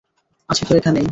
আছি তো এখানেই।